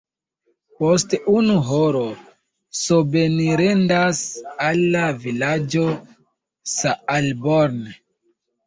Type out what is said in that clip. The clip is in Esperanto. Post unu horo sobenirendas al la vilaĝo Saalborn.